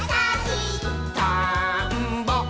「たんぼっ！」